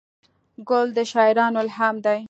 ګل د شاعرانو الهام دی.